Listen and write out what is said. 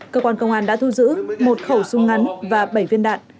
cơ quan công an đã thu giữ một khẩu súng ngắn và bảy viên đạn